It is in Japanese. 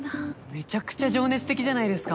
めちゃくちゃ情熱的じゃないですか。